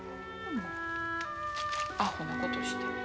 アホなことして。